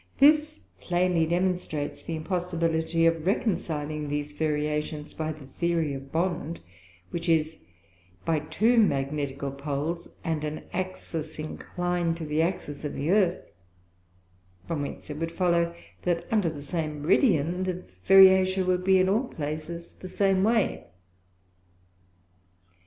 This plainly demonstrates the impossibility of reconciling these Variations by the Theory of Bond; which is by two Magnetical Poles and an Axis, inclin'd to the Axis of the Earth; from whence it would follow, That under the same Meridian the Variation should be in all places the same way.